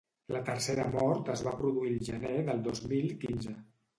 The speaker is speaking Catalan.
La tercera mort es va produir el gener del dos mil quinze.